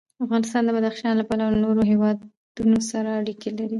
افغانستان د بدخشان له پلوه له نورو هېوادونو سره اړیکې لري.